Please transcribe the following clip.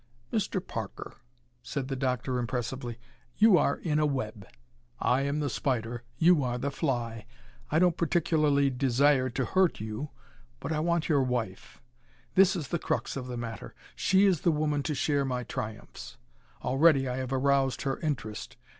"Mr. Parker," said the doctor, impressively, "you are in a web. I am the spider. You are the fly. I don't particularly desire to hurt you, but I want your wife. This is the crux of the matter. She is the woman to share my triumphs. Already I have aroused her interest.